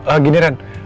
ah gini ren